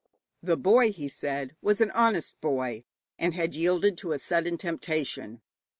The boy, he said, was an honest boy, and had yielded to a sudden temptation.